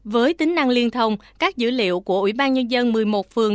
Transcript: với tính năng liên thông các dữ liệu của ủy ban nhân dân một mươi một phường